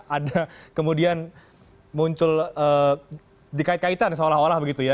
ada kemudian muncul dikait kaitan seolah olah begitu ya